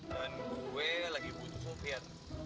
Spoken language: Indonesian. dan gue lagi butuh sopir